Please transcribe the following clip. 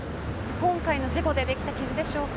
今回の事故でできた傷でしょうか。